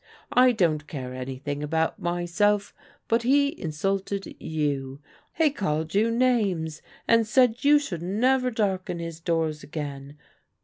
I don't care anything about myself, but he insulted you. He called you names and said you should never darken his doors again.